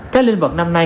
các linh vật năm nay